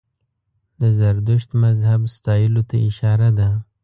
د زردشت مذهب ستایلو ته اشاره ده.